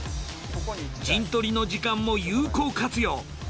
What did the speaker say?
陣取りの時間も有効活用。